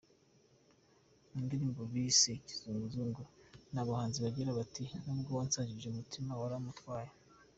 Mu ndirimbo bise ‘Kizunguzungu’ aba bahanzi bagira bati “Nubwo wansajije umutima warawuntwaye…”.